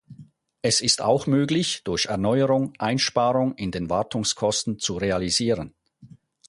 Es ist auch möglich, durch Erneuerung Einsparung in den Wartungskosten zu realisieren.